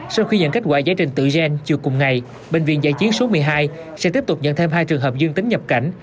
trong giải trình tự gen chiều cùng ngày bệnh viện giải chiến số một mươi hai sẽ tiếp tục nhận thêm hai trường hợp dương tính nhập cảnh